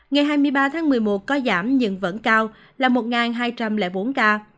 ngày hai mươi ba tháng một mươi một có giảm nhưng vẫn cao là một hai trăm linh bốn ca